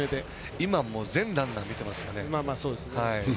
今は全ランナー見てますよね。